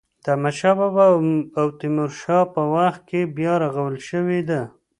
د احمد شا بابا او تیمور شاه په وخت کې بیا رغول شوې ده.